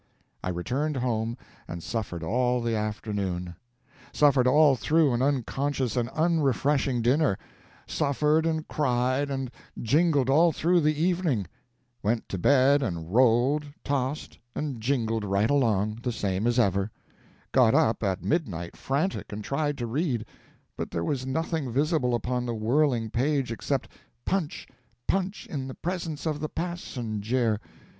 I returned home, and suffered all the afternoon; suffered all through an unconscious and unrefreshing dinner; suffered, and cried, and jingled all through the evening; went to bed and rolled, tossed, and jingled right along, the same as ever; got up at midnight frantic, and tried to read; but there was nothing visible upon the whirling page except "Punch! punch in the presence of the passenjare."